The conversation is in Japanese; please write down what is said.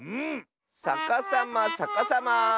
さかさまさかさま。